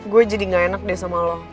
gue jadi gak enak deh sama lo